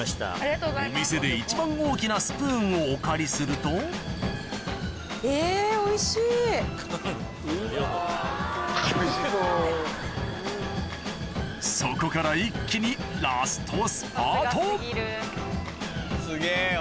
お店で一番大きなスプーンをお借りするとそこから一気にラストスパートすげぇよ。